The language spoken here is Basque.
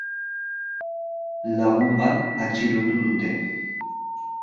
Lagun bat atxilotu dute.